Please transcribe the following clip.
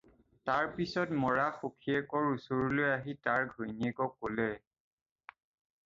তাৰ পিছত মৰা সখিয়েকৰ ওচৰলৈ আহি তাৰ ঘৈণীয়েকক ক'লে।